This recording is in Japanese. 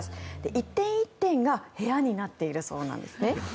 一店一店が部屋になっているそうなんですね。